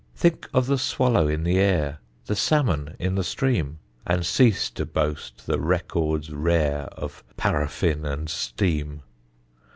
Think of the swallow in the air, The salmon in the stream, And cease to boast the records rare Of paraffin and steam.